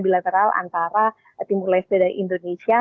misalnya antara timur lese dan indonesia